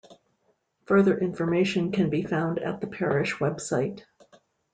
Further information can be found at the parish website.